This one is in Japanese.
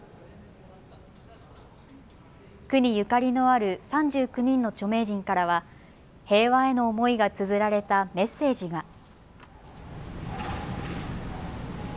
区にゆかりのある３９人の著名人からは平和への思いがつづられたメッセージが。